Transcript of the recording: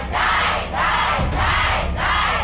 ได้